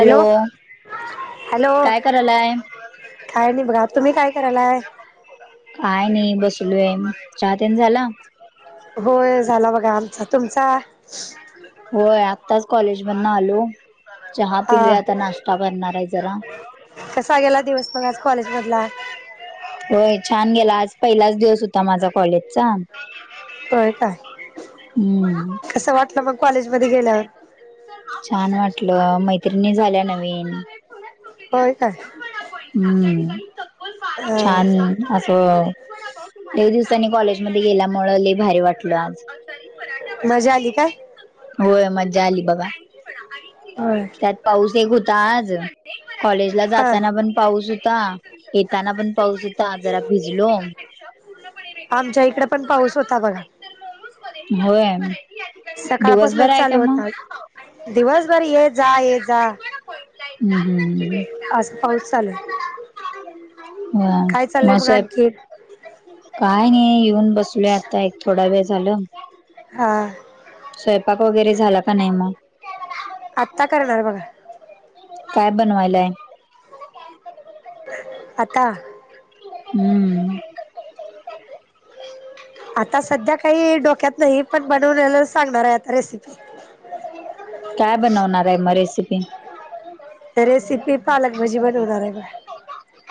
Hello hello काय करालाय? काय नाही बघा. तुम्ही काय करालाय? काय नाही बसलोय. चहा तेन झाला? होय झाला बघा आमचा, तुमचा? होय आत्ताच कॉलेजमधन आलो चहा पिलोय हा आता नाश्ता करणार आहे जरा. कसा गेला दिवस मग आज कॉलेज मधला? होय छान गेला आज पहिलाच दिवस होता माझा कॉलेजचा. होय काय हम्म. कसं वाटलं मग कॉलेजमध्ये गेल्यावर छान वाटलं मैत्रिणी झाल्या नवीन. होय काय हम्म छान ह असं लई दिवसांनी कॉलेजमध्ये गेल्यामुळं लई भारी वाटलं आज. मजा आली काय? होय मज्जा आली बघा. होय. त्यात पाऊस एक होता आज कॉलेजला हा जाताना पण पाऊस होता. येताना पण पाऊस होता जरा भिजलो. आमच्या इकड पण पाऊस होता बघा. होय दिवसभर सकाळपासूनच आहे का चालू होता मग. दिवसभर ये जा ये जा हम् हम हम् असं पाऊस चालू आहे काय हम चाललंय म मग स्वै - आणखी काय नाही येऊन बसलोय आता एक थोडा वेळ झाल हा स्वयपाक वगैरे झाला का नाही मग आत्ता करणार बघा काय बनवायलाय आता हम्म आता सध्या काही डोक्यात नाही पण बनवन्याल सांगणार आहे आता रेसिपी काय बनवणार आहे मग रेसिपी रेसिपी पालकभजी बनवणार आहे बग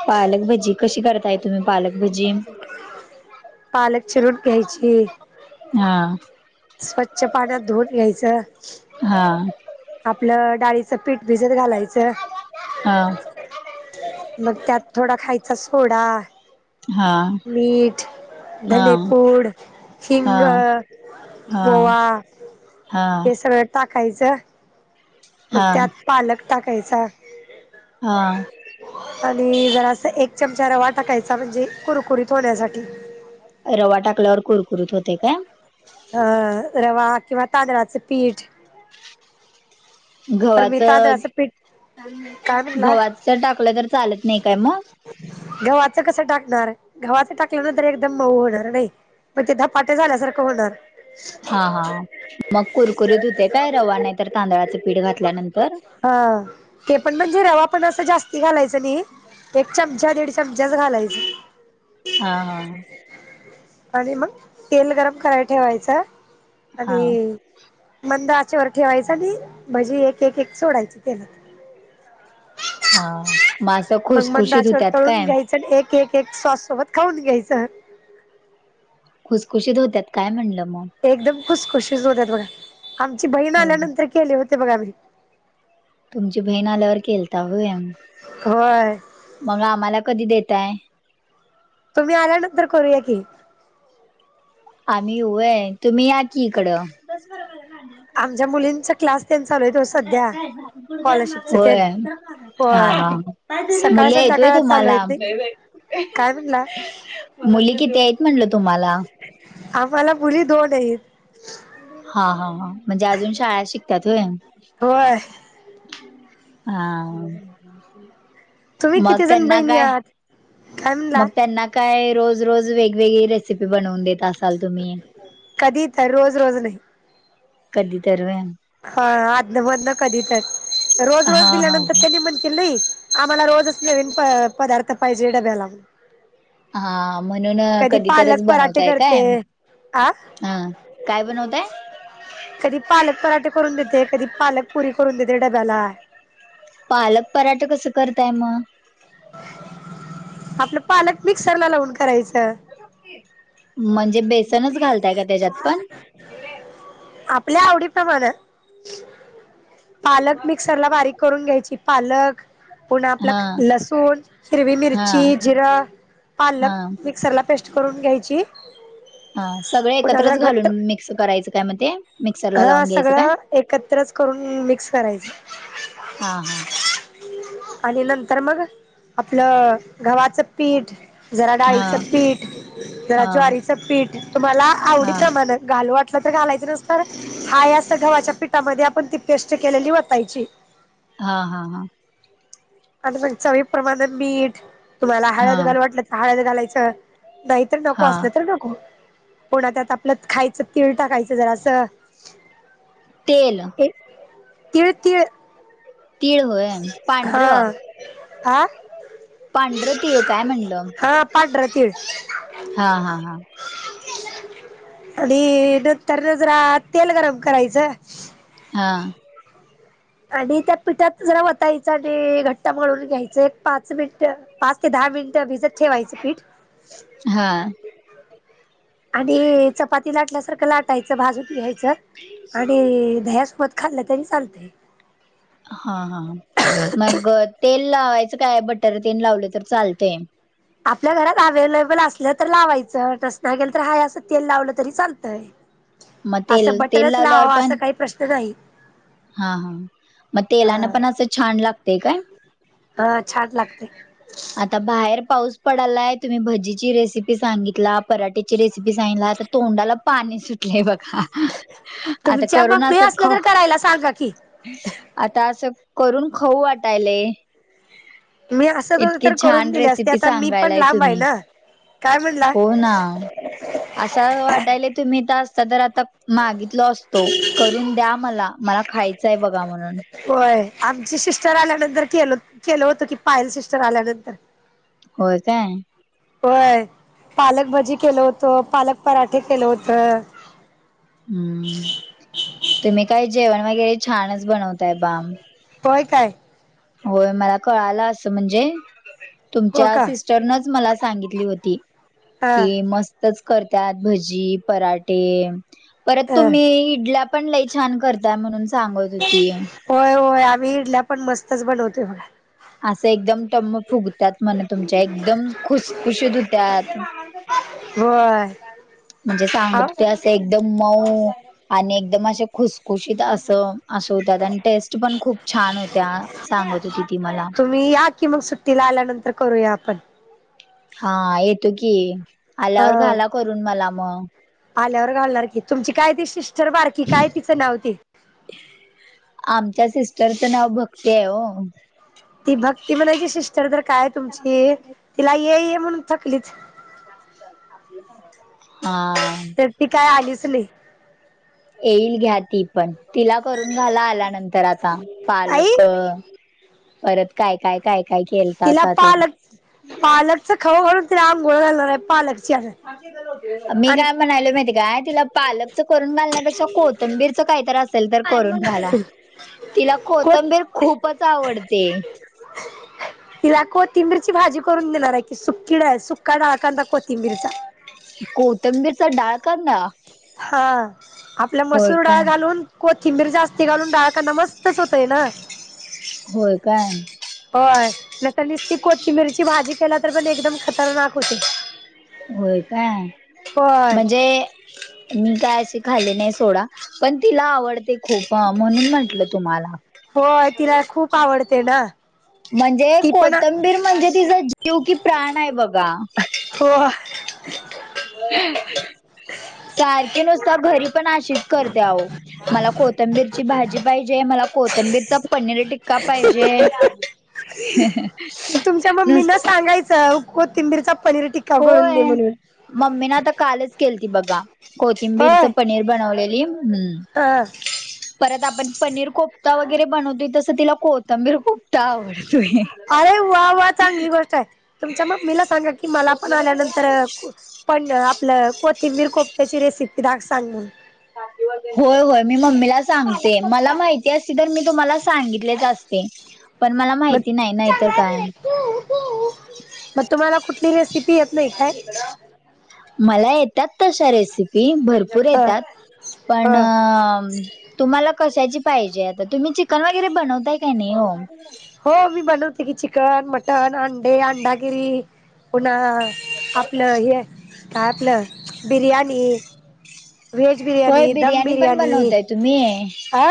पालकभजी कशी करताय तुम्ही पालकभजी पालक चिरून घ्यायची हा स्वच्छ पाण्यात धून घ्यायचं हा आपलं डाळीचं पीठ भिजत घालायचं हा मग त्यात थोडा खायचा सोडा हा मीठ हा धनेपूड हा हिंग ओवा हा टाकायच मग हा त्यात पालक टाकायचा हा आणि जरा अस एक चमचा रवा टाकायचा म्हणजे कुरकुरीत होण्यासाठी रवा टाकल्यावर कुरकुरीत होते काय अ रवा किंवा तांदळाचं पीठ पण गव्हाच मी तांदळाचं पीठ काय म्हणला गव्हाच टाकलं तर चालत नाही काय मग गव्हाचं कसं टाकणार गव्हाचं टाकल्यानंतर एकदम मऊ होणार नाही मग धपाट झाल्यासारखं होणार हा हा मग कुरकुरीत होते काय रवा नाही तर तांदळाचं पीठ घातल्यानंतर ह ते पण म्हणजे रवा पण असं जास्ती घालायचं नाही एक चमचा दीड चमचाच घालायच हा हा आणि मग तेल गरम कराय ठेवायचं हा आणि मंद आच्यावर ठेवायच आणि भजी एक एक एक सोडायची त्याला हा मासं खुशखुशीत होत्यात काय च एक एक एक सॉस सोबत खाऊन घ्यायचं खुसखुशीत होत्यात काय म्हणलं मग एकदम खुस खुशीच होत्यात बघा आमची बहीण हो आल्यानंतर केले होते बघा मी तुमची बहीण आल्यावर केलता होय होय मग आम्हाला कधी देताय तुम्ही आल्यानंतर करूया की आम्ही येऊ होय तुम्ही या की इकडं आमच्या मुलींचा क्लास तेन चालू आहे ओ सध्या [unintelligible] स्कॉलरशिपच होय तेन हा होय हा सकाळ मुली हायत होय संध्याकाळ चालू आहेत तुम्हाला नाही [unintelligible] काय म्हनला मुली किती आहेत म्हणलं तुम्हाला? आम्हाला मुली दोन आहेत. हा हा ह म्हणजे अजून शाळा शिकतात होय? होय हा तुम्ही मग किती जण त्यांना बहिणी काय आहात काय म्हणला मग त्यांना काय रोज रोज वेगवेगळी रेसिपी बनवून देत असाल तुम्ही. कधी तर रोज रोज नाही. कधी तर व्हय. हा आदनं मदनं कधी तर रोज रोज हा हा दिल्यानंतर त्यांनी म्हणतील नाही आम्हाला रोजच विन प पदार्थ पाहिजे डब्याला. हा म्हणून कधी तरच पालक पराठे बनवताय करते काय. आ ह काय बनवताय? कधी पालक पराठे करून देते कधी पालक पुरी करून देते डब्याला. पालक पराठ कसं करताय म? आपलं पालक मिक्सरला लावून करायचं. म्हणजे बेसनच घालताय का त्याज्यात पण? इकड ये. आपल्या आवडी प्रमाण. पालक मिक्सरला बारीक करून घ्यायची पालक पुन आपलं हा लसूण, हिरवी हा मिरची, जिरं पालक हा मिक्सरला पेस्ट करून घ्यायची. हा सगळे पुन्हा जरा एकत्रच घट्ट घालून मिक्स करायचं काय मग ते? मिक्सरला हा लावून घ्यायचं काय सगळं एकत्रच करून मिक्स करायचं. हा हा आणि नंतर मग आपलं गव्हाचं पीठ जरा डाळीचं हा पीठ, जरा हा ज्वारीचं पीठ तुम्हाला आवडी हा प्रमाण घालू वा टलं तर घालायच नसतर हाय असं गव्हाच्या पिठामध्ये आपण ती पेस्ट केलेली वतायची. हा हा हा. आणि मग चवी प्रमाणात मीठ तुम्हाला हा हळद घालू वाटलं तर हळद घालायचं. नाही तर नको हा असलं तर नको पुन्हा त्यात आपलं खायचं तीळ टाकायचं जरासं. तेल तीळतीळ. तीळ होय पांढरं? आ पांढर तिळ काय म्हणलं? पांढर तीळ. हा हा हा. आणि नंतर जरा तेल गरम करायचं. हा आणि त्या पिठात जरा वतायचं आणि घट्ट मळून घ्यायचं एक पाच मिनिट. पाच ते दहा मिनिट अभिजत ठेवायचं पीठ. हा आणि चपाती लाटल्यासारखं लाटायचं भाजून घायचं आणि धया सोबत खाल्लं तरी चालते. हा हा मग तेल लावायचं काय बटर तेन लावलं तर चालतय? आपल्या घरात आवेलेबल असल तर लावायचं टस नाही गेल तर हा असं तेल लावलं तरी चालतय. मग तेल असं तेल बटरच लावल्यावर लावावा असं पण काही प्रश्न नाही. हा हा मग ह तेलान पण असं छान लागतय काय? ह छान [inaudible] आता बाहेर पाऊस पडालाय तुम्ही भजीची रेसिपी सांगितला पराठेची रेसिपी सांगितला आता तोंडाला पाणी सुटलय बघा आता करून असं खाऊ यला सांगा की. आता असं करून खाऊ वाटायलय. मी असं तो इतकी तर करून छान दिले असते रेसिपी आता मी पण सांगायलाय लांब आहे तुम्ही ना काय म्हणला. हो ना असं वाटायला तुम्ही तर असता तर आता. मागितल असतो करून द्या मला मला खायचय बघा म्हणून. होय आमची सिस्टर आल्यानंतर केल केलं होतं की पायल सिस्टर आल्यानंतर. होय काय. होय पालकभजी केलं होतं पालक पराठे केलं होत. हुं तुम्ही काय जेवण वगैरे छानच बनवताय बाम. होय काय. होय मला कळाला असं म्हणजे. हो तुमच्या का. सिस्टरनच मला सांगितली होती हा कि मस्त. च करत्यात भजी, पराठे. परत अ तुम्ही इडल्या पण लई छान करताय म्हणून सांगत होती.. होय होय आम्ही इडल्या पण मस्तच बनवतोय बघा.. असं एकदम टम्म फुगत्यात म्हण तुमच्या एकदम खुसखुशीत हुत्यात.. [unintelligible] होय. म्हणजे सांगत अ हुत्या असं एकदम मऊ आणि एकदम असे खुसखुशीत असं. असं होत्यात आणि टेस्ट पण खूप छान होत्या सांगत होती ती मला. तुम्ही या की मग सुट्टीला आल्यानंतर करूया आपण.. हा येतो की ह आल्यावर घाला करून मला. मग आल्यावर घालणार की तुमची काय ती सिस्टर बारकी काय तिचं नाव ती. आमच्या सिस्टरचं नाव भक्ती आहे हो.. ती भक्ती म्हणायची सिस्टर तर काय तुमची तिला ये- ये म्हणून थकलीत.. हा. तर ती काय आलीच नाही. येईल घ्या ती पण तिला करून घाला आल्यानंतर आता आई पालक. परत काय काय काय. काय तिला केलतासा ते पालक पालकच खाऊ घालून तिला अंघोळ घालणार आहे पालकची. मी आणि काय म्हणलोय माहिती काय तिला. पालकचं करून घालण्यापेक्षा कोथंबीरचं काहीतर असेल तर करून घाला.. तिला कोत कोथंबीर खूपच आवडते.. [unintelligible] तिला कोथिंबीरची भाजी करून देणार आहे कि, सुक्की डाळ सुक्का डाळकांदा कोथिंबीरचा. कोथंबीरचा डाळ कांदा. हा आपल्या होय मसूर काय डाळ घालून. कोथिंबीर जास्ती घालून डाळकांदा मस्तच हुंतोय ना.. होय काय?. होय नाहीतर निसती कोथिंबीरची भाजी केला तर पण एकदम खतरनाक होतय.. होय काय होय म्हणजे. मी काय अशी खाल्ली नाही सोडा पण तिला आवडते. खूप म्हणून म्हटलं तुम्हांला. होय तिला खूप आवडते ना.. म्हणजे ती पण कोथंबीर म्हणजे तिचा जीव की प्राण आहे बघा.. होय. सारखी नुसतं घरी पण अशीच करत्या अहो. मला कोथंबीरची भाजी पाहिजे, मला कोथंबीरचा पनीर टिक्का पाहिजे.. तुमच्या नुस मम्मीना सांगायचं कोंथिबीरचा पनीर टी. होय मम्मी ना आता कालच केलती बघा.. होय कोथिंबीरचं पनीर बनवलेली हुं. हा परत आपण पनीर कोफता वगैरे बनवतोय तसं तिला को. पनीर कोफ्ता आवडतोय. अरे वा वा चांगली गोष्ट आहे तुमच्या मम्मीला सांगा कि मला पण आल्यानंतर पण आपलं कोथिंबीर कोपत्याची रेसिपी दाख सांग‌ म्हणून. होय होय मी मम्मीला सांगते. मला म्हणून माहि ती असती तर मी तुम्हाला सांगितलेच असते, पण मला मग माहिती नाही नाहीतर काय. मग तुम्हांला कुट ली रेसिपी येत नाही आज काय इकडं. मला येतात तशा रेसिपी भरपूर ह येतात. पण ह तुम्हाला कशाची पाहिजे आता? तुम्ही चिकन वगैरे बनवताय काय नाही ओ? हो मी बनवते की चिकन, मटण, अंडे, अंडागिरी पुन्हा आपलं हे काय आपलं बिर्याणी. व्हेज होय बिर्याणी, दम पण बिर्याणी बनवताय तुम्ही अ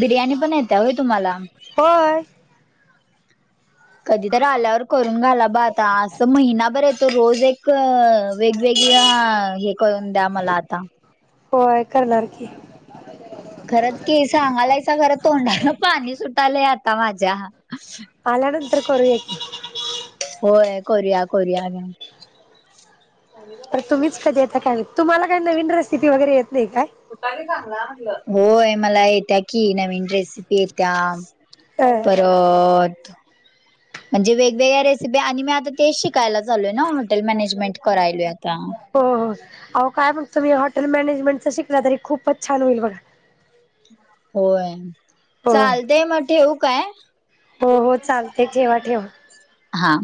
बिर्याणी पण येत्या होय तुम्हाला? होय. कधी तरी आल्यावर करून घाला बा आता अस महिनाभर येतो रोज एक क वेगवेगळया हे करून द्या मला आता. होय करणार की. खरंच की सांगालायसा खरं तोंडाला पाणी सुटालंय आता माझ्या. आल्यानंतर करूया की. होय करुया करुया घ्या. पण तुम्हीच कधी येता काय माहित. तुम्हाला काही नवीन रेसिपी वगैरे येत नाही काय? कुठ आहे सांगा म्हटलं? होय मला येत्या कि नवीन रेसिपी येत्या. अ परत म्हणजे वेगवेगळ्या रेसिपी आणि मी आता तेच शिकायला चाललोय ना हॉटेल मॅनेजमेंट करायलोय. आता हो हो. अहो काय मग तुम्ही हॉटेल मॅनेजमेंट च शिकला तरी खूपच छान होईल बघा. होय. होय चालतेय मग ठेवू काय? हो हो चालते ठेवा ठेवा हा.